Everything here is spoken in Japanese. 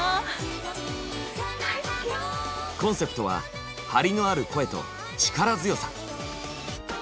コンセプトは「張りのある声」と「力強さ」。